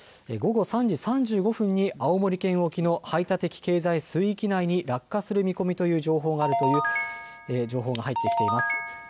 午後３時３５分に青森県沖の排他的経済水域内に落下する見込みという情報があるという情報が入ってきています。